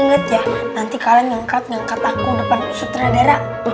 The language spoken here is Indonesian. ingat ya nanti kalian nyangkat nyangkat aku depan sutradara